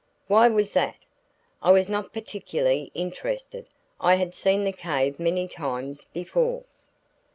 "Why was that?" "I was not particularly interested. I had seen the cave many times before."